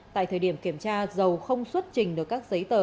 tại thời điểm kiểm tra dầu không xuất trình được các giấy tờ